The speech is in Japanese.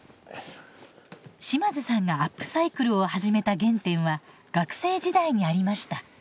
島津さんがアップサイクルを始めた原点は学生時代にありました。